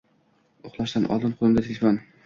Uxlashdan oldin qoʻlimda telefon.